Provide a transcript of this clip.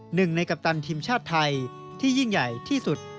หนึ่งในกัปตันทีมชาติไทยที่ยิ่งใหญ่ที่สุด